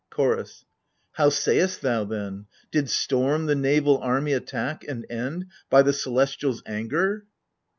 CHOROS. How say'st thou then, did storm the naval army Attack and end, by the celestials' anger